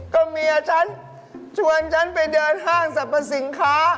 ก็เมียฉันชวนฉันไปเดินห้างสรรพสินค้า